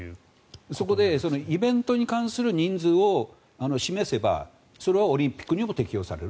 そこでイベントに関する人数を示せばそれがオリンピックにも適用される。